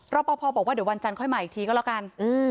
รอปภบอกว่าเดี๋ยววันจันทร์ค่อยมาอีกทีก็แล้วกัน